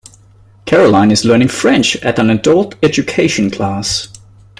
Caroline is learning French at an adult education class